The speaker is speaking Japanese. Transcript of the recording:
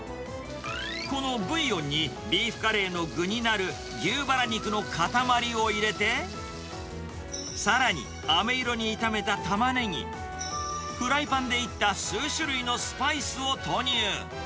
このブイヨンに、ビーフカレーの具になる牛バラ肉の塊を入れて、さらにあめ色に炒めたタマネギ、フライパンでいった数種類のスパイスを投入。